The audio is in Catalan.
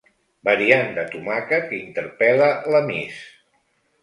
Variant de tomàquet que interpel·la la miss.